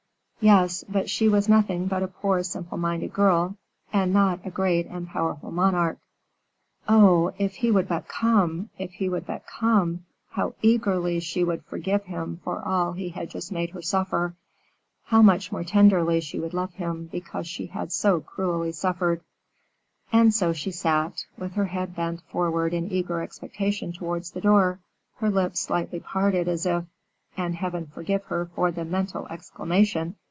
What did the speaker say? Yes, but she was nothing but a poor simple minded girl, and not a great and powerful monarch. Oh! if he would but come, if he would but come! how eagerly she would forgive him for all he had just made her suffer! how much more tenderly she would love him because she had so cruelly suffered! And so she sat, with her head bent forward in eager expectation towards the door, her lips slightly parted, as if and Heaven forgive her for the mental exclamation!